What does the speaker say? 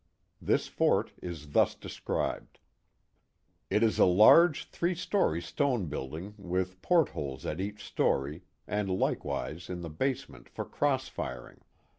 This fort is thus described: It is a large three story stone building with port holes at each aiory and likewise in the basement for cross firing.